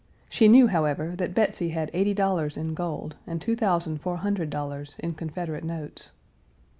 She knew, however, that Betsy had eighty dollars in gold and two thousand four hundred dollars in Confederate notes.